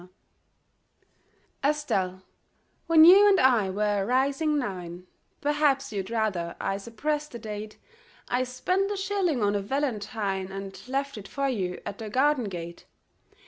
] ESTELLE, when you and I were rising nine Perhaps you'd rather I suppressed the date I spent a shilling on a valentine And left it for you at the garden gate.